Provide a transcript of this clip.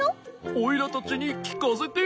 オイラたちにきかせてよ。